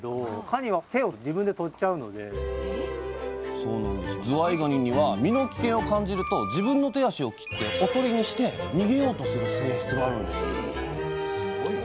さらにずわいがにには身の危険を感じると自分の手足を切っておとりにして逃げようとする性質があるんですおすごいな。